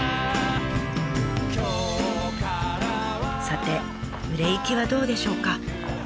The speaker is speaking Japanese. さて売れ行きはどうでしょうか？